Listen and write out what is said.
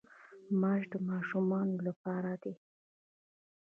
ماش د ماشومانو لپاره دي.